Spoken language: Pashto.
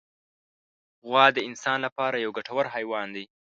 غوا د انسان له پاره یو ګټور حیوان دی.